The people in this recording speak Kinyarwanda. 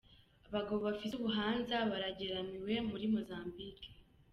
Abagabo bafise ubuhanza barageramiwe muri Mozambique.